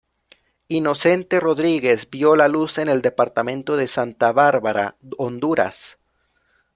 Inocente Rodríguez vio la luz en el departamento de Santa Bárbara, Honduras.